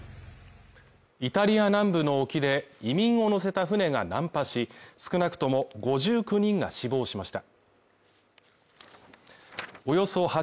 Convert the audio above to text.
イタリア南部の沖で移民を乗せた船が難破し、少なくとも５９人が死亡しました。